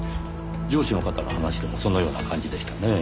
上司の方の話でもそのような感じでしたねぇ。